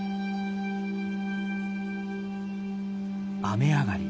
雨上がり。